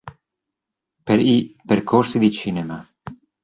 Per i "Percorsi di cinema.